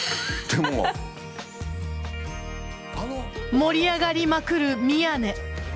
盛り上がりまくる宮根。